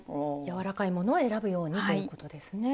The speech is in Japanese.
柔らかいものを選ぶようにということですね。